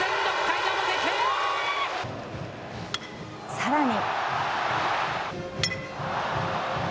さらに。